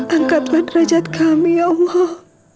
angkatlah derajat kami ya allah